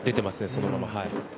そのまま。